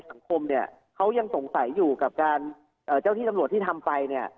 สังคมเนี่ยเขายังสงสัยอยู่กับการเจ้าที่ตำรวจที่ทำไปเนี่ย